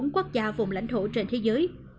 bốn quốc gia vùng lãnh thổ trên thế giới